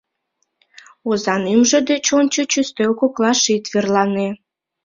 «Озан ӱжмӧ деч ончыч ӱстел коклаш ит верлане.